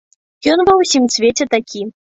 Ён ва ўсім свеце такі.